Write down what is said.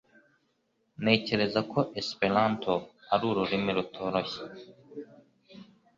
Ntekereza ko Esperanto ari ururimi rutoroshye